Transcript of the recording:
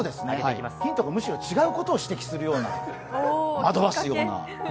ヒントがむしろ違うことを指摘するような、惑わすような。